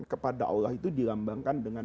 kepada allah itu dilambangkan dengan